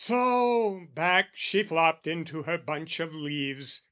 "So, back she flopped into her bunch of leaves.